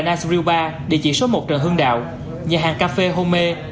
nars real bar địa chỉ số một trần hương đạo nhà hàng cà phê hô mê